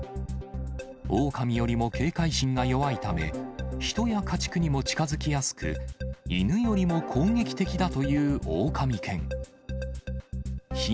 オオカミよりも警戒心が弱いため、人や家畜にも近づきやすく、犬よりも攻撃的だというオオカミ犬。